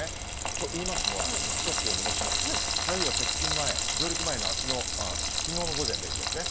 といいますのは、時刻を戻します、台風が接近前、上陸前のきのうの午前０時ですね。